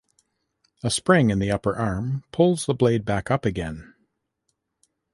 A spring in the upper arm pulls the blade back up again.